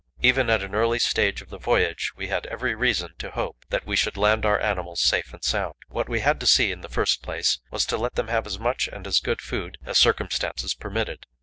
Even at an early stage of the voyage we had every reason to hope that we should land our animals safe and sound. What we had to see to in the first place was to let them have as much and as good food as circumstances permitted.